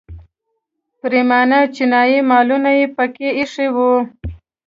پریمانه چینایي مالونه یې په کې ایښي وو.